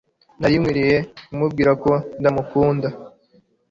Nari nkwiye kumubwira ko ndamukunda